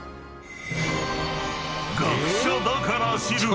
［学者だから知る］